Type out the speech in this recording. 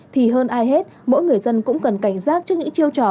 thì hơn ai hết mỗi người dân cũng cần cảnh giác trước những chiêu trò